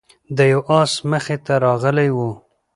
د یو آس مخې ته راغلی و،